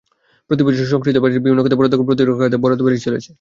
প্রতিবছর সংশোধিত বাজেটে বিভিন্ন খাতে বরাদ্দ কমলেও প্রতিরক্ষা খাতে বরাদ্দ বেড়েই চলেছে।